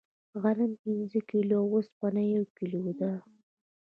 غنم پنځه کیلو او اوسپنه یو کیلو ده.